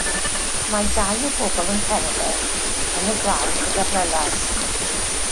Mae dau o bobl yn cerdded yn y glaw gyda brelas.